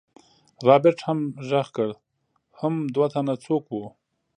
رابرټ هم غږ کړ حم دوه تنه څوک وو.